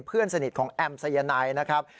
เพื่อนสนิทของแอมสายนายนะครับ